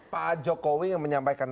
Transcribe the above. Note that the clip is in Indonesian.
pak jokowi yang menyampaikan